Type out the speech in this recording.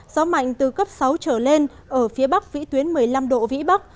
gió mạnh từ cấp sáu trở lên ở phía bắc vĩ tuyến một mươi năm độ vĩ bắc